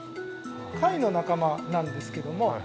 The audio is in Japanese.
貝の仲間なんですけども。